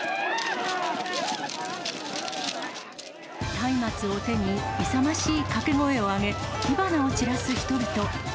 たいまつを手に、勇ましい掛け声を上げ、火花を散らす人々。